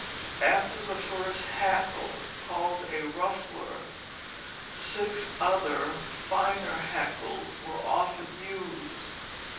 After the first hackle, called a ruffler, six other finer hackles were often used.